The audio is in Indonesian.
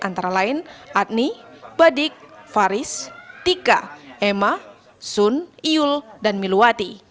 antara lain adni badik faris tika emma sun iul dan miluwati